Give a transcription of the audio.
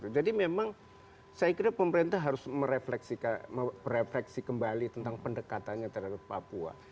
jadi memang saya kira pemerintah harus merefleksi kembali tentang pendekatannya terhadap papua